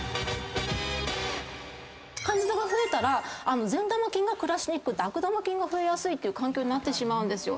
カンジダが増えたら善玉菌が暮らしにくくて悪玉菌が増えやすいって環境になってしまうんですよ。